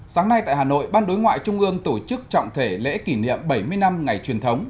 sáng nay tại hà nội ban đối ngoại trung ương tổ chức trọng thể lễ kỷ niệm bảy mươi năm ngày truyền thống